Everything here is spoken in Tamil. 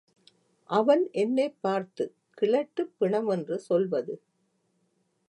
அவன் என்னைப் பார்த்துக் கிழட்டுப் பிணமென்று சொல்வது?